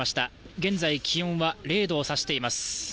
現在気温は０度を指しています。